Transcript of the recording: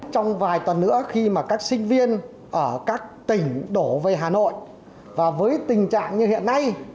trong vài tuần nữa khi mà các sinh viên ở các tỉnh đổ về hà nội và với tình trạng như hiện nay